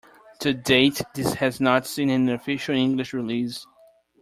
To date, this has not seen an official English release.